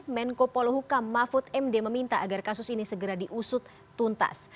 menko polhukam mahfud md meminta agar kasus ini segera diusut tuntas